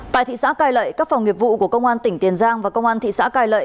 tại thị xã cai lệ các phòng nghiệp vụ của công an tỉnh tiền giang và công an thị xã cai lệ